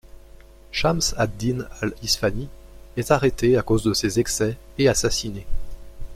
Chams ad-Dîn al-Isphanî est arrêté à cause de ses excès et assassiné.